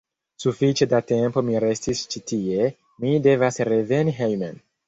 Sufiĉe da tempo mi restis ĉi tie, mi devas reveni hejmen.